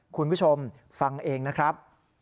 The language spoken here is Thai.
คุณผู้ชมฟังเองนะครับ